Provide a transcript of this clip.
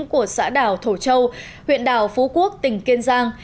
của xã đảo thổ châu huyện đảo phú quốc tỉnh kiên giang